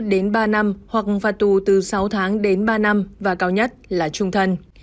đến ba năm hoặc phạt tù từ sáu tháng đến ba năm và cao nhất là trung thân